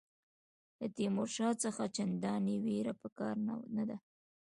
له تیمورشاه څخه چنداني وېره په کار نه ده.